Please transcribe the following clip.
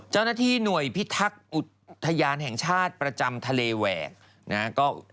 เจ้าหน้าที่หน่วยพิทักษ์อุทยานแห่งชาติประจำทะเลแหวกนะฮะ